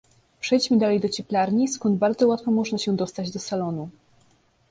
"Przejdźmy dalej do cieplarni, skąd bardzo łatwo można się dostać do salonu."